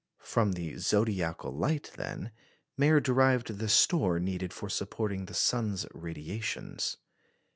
From the zodiacal light, then, Mayer derived the store needed for supporting the sun's radiations.